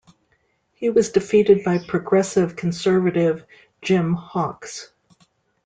He was defeated by Progressive Conservative Jim Hawkes.